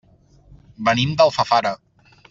Venim d'Alfafara.